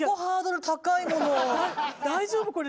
大丈夫？